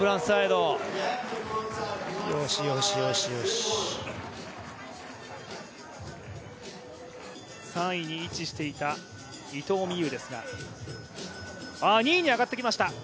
よしよしよし３位に位置していた伊藤美優ですが、２位に上がってきました。